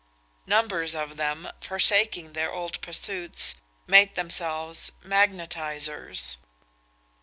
Numbers of them, forsaking their old pursuits, made themselves magnetisers.